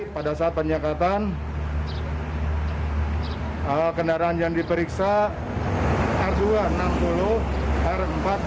pada saat penyekatan kendaraan yang diperiksa r dua enam puluh r empat dua puluh